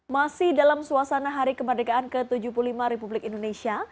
masih dalam suasana hari kemerdekaan ke tujuh puluh lima republik indonesia